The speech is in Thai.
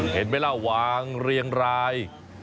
เห็นไหมล่ะวางเรียงราย